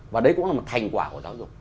và đấy cũng là một thành quả của giáo dục